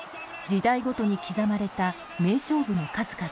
時代ごとに刻まれた名勝負の数々。